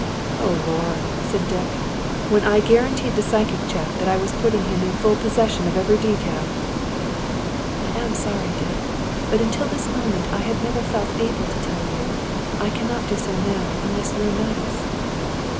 "Oh, lor!" said Dick. "When I guaranteed the psychic chap that I was putting him in full possession of every detail!" "I am sorry, Dick. But until this moment I have never felt able to tell you. I cannot do so now, unless you are nice."